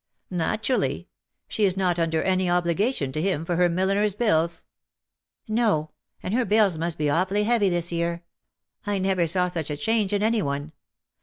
" Naturally. She is not under any obligation to him for her milliner^s bills." '' No. And her bills must be awfully heavy this year. I never saw such a change in any one.